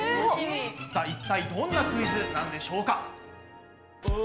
さあ一体どんなクイズなんでしょうか？